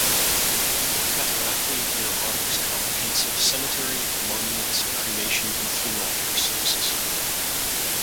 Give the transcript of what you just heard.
Cataraqui now offers comprehensive cemetery, monuments, cremation and funeral care services.